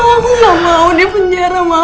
aku gak mau di penjara mak